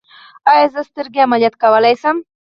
ایا زه سترګې عملیات کولی شم؟